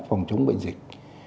phòng chống bệnh dịch